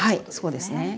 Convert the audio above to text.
はいそうですね。